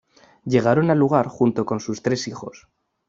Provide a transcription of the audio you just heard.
Llegaron al lugar junto con sus tres hijos.